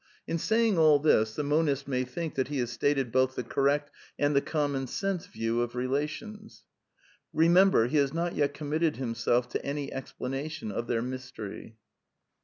In saying all this, the monist may think that he has stated both the correct and the common sense view of relations. Bemem ber, he has not yet committed himself to any explanation of their mystery.